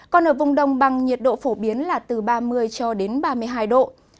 còn ở vùng đông băng nhiệt độ phổ biến là từ ba mươi cho đến ba mươi hai độ